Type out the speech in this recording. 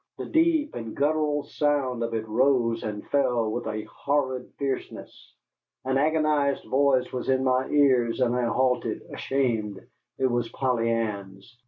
The deep and guttural song of it rose and fell with a horrid fierceness. An agonized voice was in my ears, and I halted, ashamed. It was Polly Ann's.